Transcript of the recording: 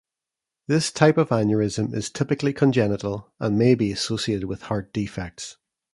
This type of aneurysm is typically congenital and may be associated with heart defects.